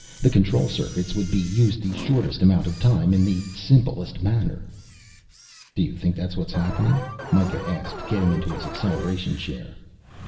The control circuits would be used the shortest amount of time in the simplest manner." "Do you think that's what is happening?" Mikah asked, getting into his acceleration chair.